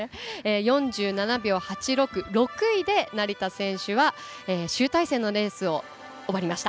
４７秒８６、６位で成田選手は集大成のレースを終わりました。